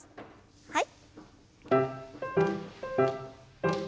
はい。